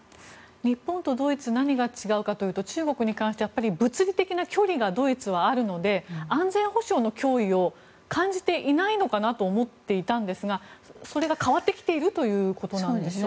日本とドイツ何が違うかというと中国に関しては、物理的な距離がドイツはあるので安全保障の脅威を感じていないのかなと思っていたんですがそれが変わってきているということなんでしょうか。